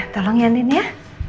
tolong ya andin ya